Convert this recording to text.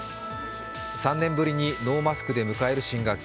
３年ぶりにノーマスクで迎える新学期。